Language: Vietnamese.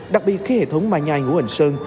đặc biệt khi hệ thống mai nhai ngũ hành sơn